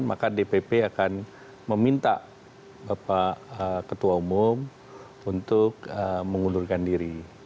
maka dpp akan meminta bapak ketua umum untuk mengundurkan diri